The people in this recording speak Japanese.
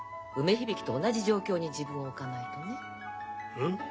うん？